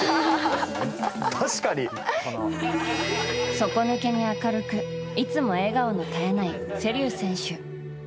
底抜けに明るくいつも笑顔の絶えない瀬立選手。